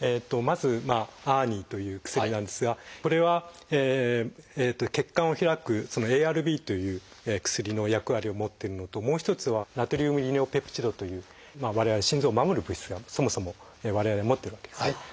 まず「ＡＲＮＩ」という薬なんですがこれは血管を開く「ＡＲＢ」という薬の役割を持ってるのともう一つは「ナトリウム利尿ペプチド」という我々心臓を守る物質がそもそも我々持ってるわけですね。